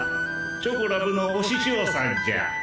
チョコラブのお師匠さんじゃ。